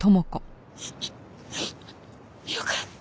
よかった。